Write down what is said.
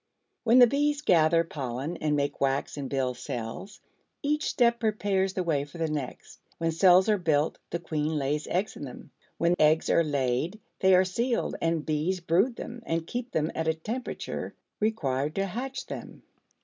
When the bees gather pollen and make wax and build cells, each step prepares the way for the next. When cells are built, the queen lays eggs in them; when eggs are laid, they are sealed and bees brood them and keep them at a temperature required to hatch them.